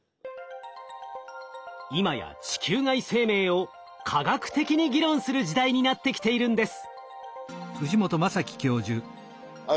今や地球外生命を科学的に議論する時代になってきているんです。